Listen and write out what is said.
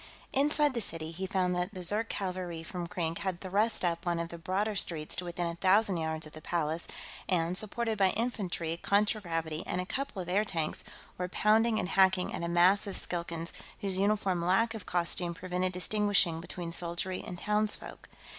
Inside the city, he found that the Zirk cavalry from Krink had thrust up one of the broader streets to within a thousand yards of the Palace, and, supported by infantry, contragravity, and a couple of airtanks, were pounding and hacking at a mass of Skilkans whose uniform lack of costume prevented distinguishing between soldiery and townsfolk.